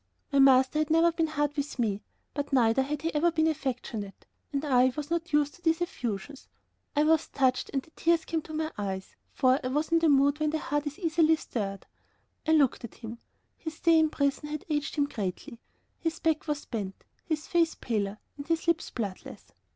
My master had never been hard with me, but neither had he ever been affectionate, and I was not used to these effusions. I was touched, and the tears came to my eyes, for I was in the mood when the heart is easily stirred. I looked at him. His stay in prison had aged him greatly. His back was bent, his face paler, and his lips bloodless.